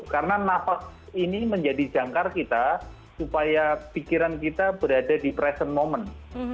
karena nafas ini menjadi jangkar kita supaya pikiran kita berada di present moment